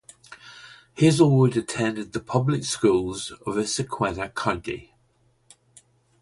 Hazlewood attended the public schools of Issaquena County.